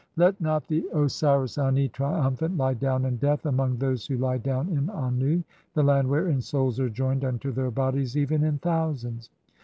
Let "not (4) the Osiris Ani, triumphant, lie down in death among "those who lie down in Annu, the land wherein souls are joined "unto their bodies even in thousands.